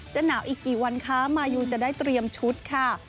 หนาวอีกกี่วันคะมายูจะได้เตรียมชุดค่ะ